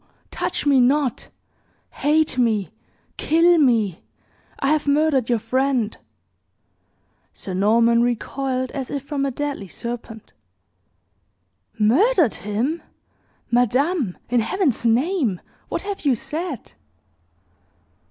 Touch me not! Hate me kill me! I have murdered your friend!" Sir Norman recoiled as if from a deadly serpent. "Murdered him! Madame, in Heaven's name, what have you said?"